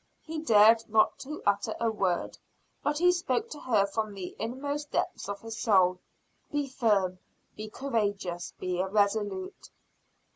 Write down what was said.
He dared not utter a word, but he spoke to her from the inmost depths of his soul: "Be firm, be courageous, be resolute!"